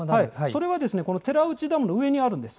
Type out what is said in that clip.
それはですね、寺内ダムの上にあるんです。